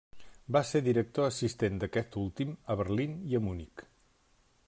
Va ser director assistent d'aquest últim a Berlín i a Munic.